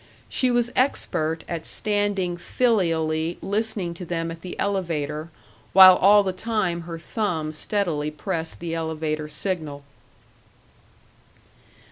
She was expert at standing filially listening to them at the elevator, while all the time her thumb steadily pressed the elevator signal.